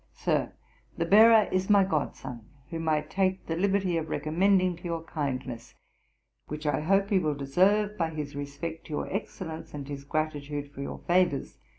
'SIR, 'The bearer is my god son, whom I take the liberty of recommending to your kindness; which I hope he will deserve by his respect to your excellence, and his gratitude for your favours.